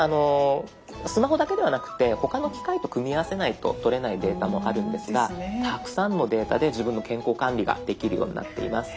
スマホだけではなくて他の機械と組み合わせないととれないデータもあるんですがたくさんのデータで自分の健康管理ができるようになっています。